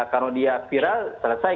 kalau dia viral selesai